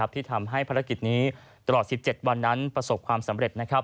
ที่ทำให้ภารกิจนี้ตลอด๑๗วันนั้นประสบความสำเร็จ